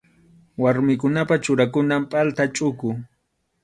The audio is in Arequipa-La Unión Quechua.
Warmikunapa churakunan pʼalta chuku.